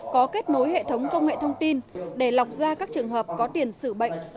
có kết nối hệ thống công nghệ thông tin để lọc ra các trường hợp có tiền xử bệnh